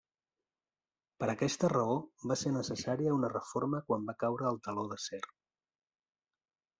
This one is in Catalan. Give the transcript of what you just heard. Per aquesta raó va ser necessària una reforma quan va caure el Teló d'acer.